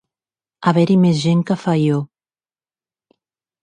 Haver-hi més gent que a Faió.